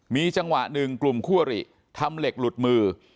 มีจังหวะหนึ่งกลุ่มคั่วหรี่ทำเหล็กหลุดมือ